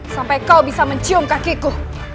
sampai kau bisa mencium kakiku